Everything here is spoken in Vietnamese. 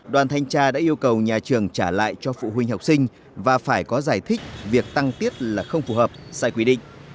đoàn thanh tra đã yêu cầu nhà trường trả lại cho phụ huynh học sinh và phải có giải thích việc tăng tiết là không phù hợp sai quy định